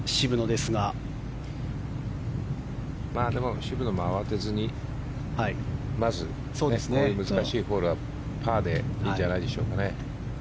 でも渋野も慌てずにまず、こういう難しいホールはパーでいいんじゃないでしょうかね。